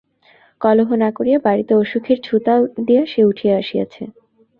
কলহ না করিয়া বাড়িতে অসুখের ছুতা দিয়া সে উঠিয়া আসিয়াছে।